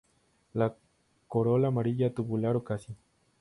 La corola amarilla, tubular o casi.